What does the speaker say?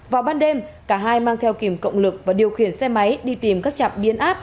vào ban đêm cả hai mang theo kìm cộng lực và điều khiển xe máy đi tìm các trạm biến áp